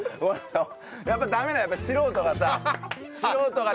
やっぱダメだやっぱ素人がさ。